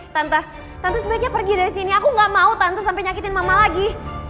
tante sebaiknya pergi dari sini aku gak mau tante sampai nyakitin mama lagi